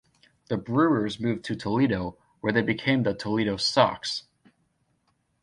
The Brewers moved to Toledo, where they became the Toledo Sox.